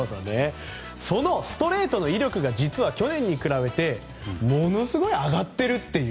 そのストレートの威力が実は去年に比べてものすごい上がっている。